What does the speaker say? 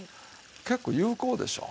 結構有効でしょう。